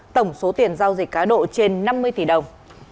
tổng số tiền giao dịch cá độ trên năm mươi tỷ đồng